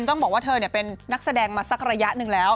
ต้องบอกว่าเธอเป็นนักแสดงมาสักระยะหนึ่งแล้ว